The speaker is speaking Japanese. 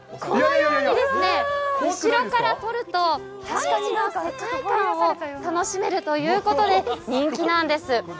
このようにですね、後ろから撮るとハイジの世界観を楽しめるということで人気なんです。